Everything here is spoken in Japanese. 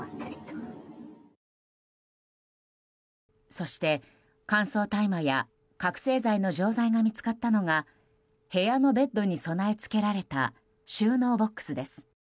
そして乾燥大麻や覚醒剤の錠剤が見つかったのが部屋のベッドに備え付けられた収納ボックスです。